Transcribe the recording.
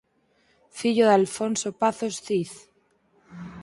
Fillo de Alfonso Pazos Cid.